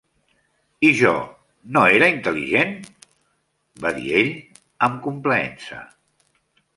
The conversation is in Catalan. "I jo, no era intel·ligent?", va dir ell, amb complaença.